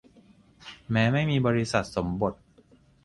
แม้ไม่มีบริษัทสมบท